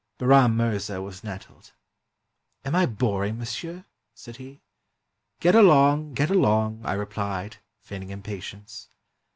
Bahram Mirza was nettled. "Am I boring monsieur?" said he. "Get along — get along!" I replied, feigning im patience.